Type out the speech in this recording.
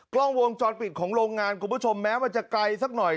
กล้องวงจรปิดของโรงงานคุณผู้ชมแม้มันจะไกลสักหน่อย